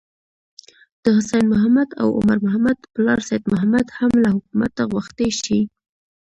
د حسين محمد او عمر محمد پلار سيد محمد هم له حکومته غوښتي چې: